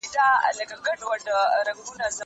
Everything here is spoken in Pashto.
زه به سبا کتاب وليکم؟